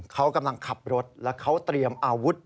เขากำลังขับรถแล้วเขาเตรียมอาวุธ